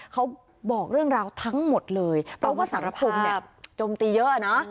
เขาบอกเรื่องราวทั้งหมดเลยเพราะว่าสังคมจมตีเยอะนะ